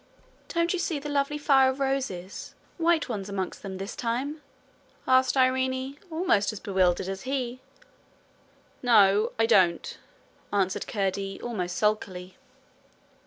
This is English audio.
'Don't you see the lovely fire of roses white ones amongst them this time?' asked Irene, almost as bewildered as he. 'No, I don't,' answered Curdie, almost sulkily.